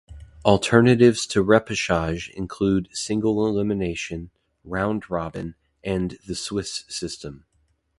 Alternatives to repechage include single elimination, round robin, and the Swiss system.